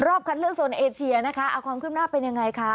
คัดเลือกโซนเอเชียนะคะเอาความขึ้นหน้าเป็นยังไงคะ